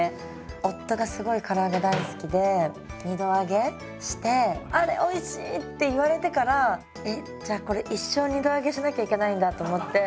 夫がすごいから揚げ大好きで二度揚げして「あれおいしい！」って言われてからえっじゃあこれ一生二度揚げしなきゃいけないんだと思って。